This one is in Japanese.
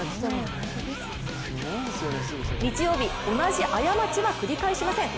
日曜日、同じ過ちは繰り返しません。